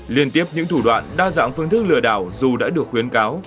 liên tiếp những thủ đoạn đa dạng phương thức lừa đảo dù đã được khuyến cáo